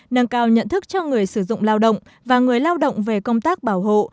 nâng cao nhận thức cho người sử dụng lao động và người lao động về công tác bảo hộ